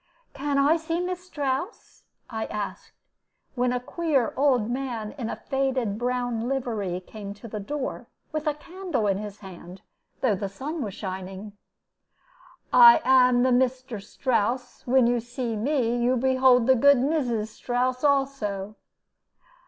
"Can I see Mrs. Strouss?" I asked, when a queer old man in faded brown livery came to the door with a candle in his hand, though the sun was shining. "I am the Meesther Strouss; when you see me, you behold the good Meeses Strouss also."